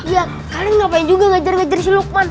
iya kalian ngapain juga ngajar ngajar si rukman